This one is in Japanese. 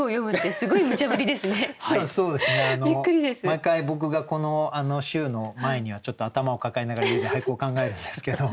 毎回僕がこの週の前にはちょっと頭を抱えながら家で俳句を考えるんですけど。